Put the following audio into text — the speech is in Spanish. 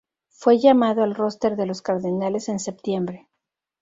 Fue llamado al roster de los Cardenales en septiembre.